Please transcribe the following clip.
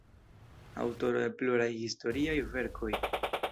Aŭtoro de pluraj historiaj verkoj.